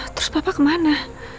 terus papa kemana